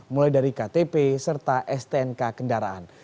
mulai dari ktp serta stnk kendaraan